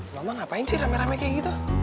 loh emang ngapain sih rame rame kayak gitu